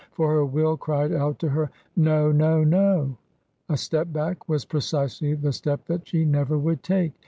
For her will cried out to her " No ! No ! No !" A step back was precisely the step that she never would take.